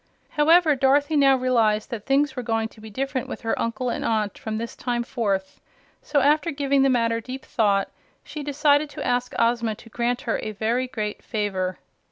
However, Dorothy now realized that things were going to be different with her uncle and aunt from this time forth, so after giving the matter deep thought she decided to ask Ozma to grant her a very great favor.